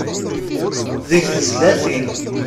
Deg tezlatin.